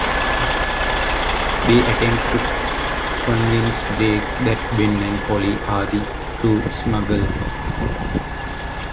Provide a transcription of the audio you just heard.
They attempt to convince Blake that Ben and Polly are the true smugglers.